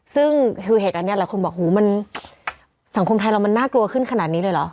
ซึ่งคือเหตุการณ์นี้หลายคนบอกหูมันสังคมไทยเรามันน่ากลัวขึ้นขนาดนี้เลยเหรอ